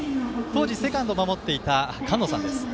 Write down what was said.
当事セカンドを守っていたかのうさんです。